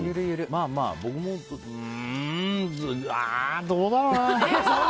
まあ僕もどうだろうな。